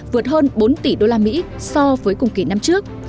vượt hơn bốn tỷ usd so với cùng kỳ năm trước